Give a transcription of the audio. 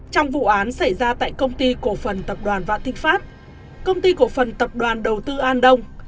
trong vụ án xảy ra tại công ty cổ phần tập đoàn vạn thịnh pháp công ty cổ phần tập đoàn đầu tư an đông